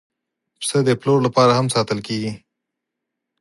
پسه د پلور لپاره هم ساتل کېږي.